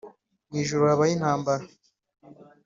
Mu ijuru habaho intambara.